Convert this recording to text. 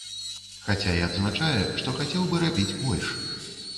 Хаця і адзначае, што хацеў бы рабіць больш.